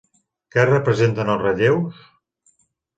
Què representen els relleus?